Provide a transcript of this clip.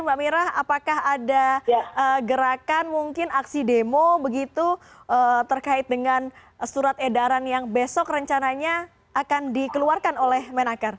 mbak mira apakah ada gerakan mungkin aksi demo begitu terkait dengan surat edaran yang besok rencananya akan dikeluarkan oleh menakar